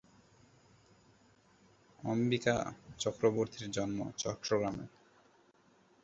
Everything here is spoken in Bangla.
অম্বিকা চক্রবর্তীর জন্ম চট্টগ্রামে।